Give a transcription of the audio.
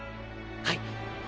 はい。